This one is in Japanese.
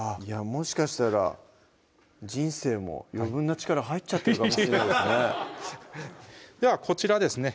もしかしたら人生も余分な力入っちゃってたかもしれないですねではこちらですね